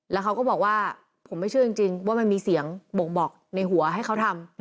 แล้วเขาก็บอกว่าผมไม่เชื่อจริงว่ามันมีเสียงบ่งบอกในหัวให้เขาทำ